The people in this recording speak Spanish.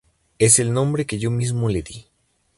Es el nombre que yo mismo le di.